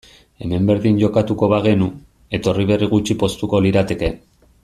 Hemen berdin jokatuko bagenu, etorri berri gutxi poztuko lirateke.